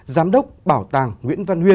giám đốc bảo tàng nguyễn văn huyên